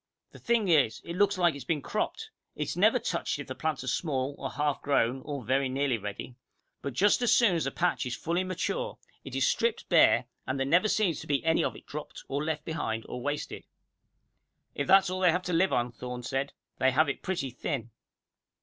The thing is, it looks like it's been cropped. It's never touched if the plants are small, or half grown, or very nearly ready. But just as soon as a patch is fully mature, it is stripped bare, and there never seems to be any of it dropped, or left behind, or wasted." "If that's all they have to live on," Thorne said, "they have it pretty thin!"